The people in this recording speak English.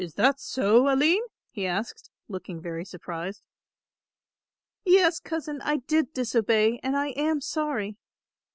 "Is that so, Aline?" he asked, looking very surprised. "Yes, cousin, I did disobey and I am sorry."